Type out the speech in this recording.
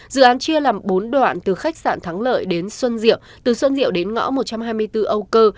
dự án chia làm bốn đoạn từ khách sạn thắng lợi đến xuân diệu từ xuân diệu đến ngõ một trăm hai mươi bốn âu cơ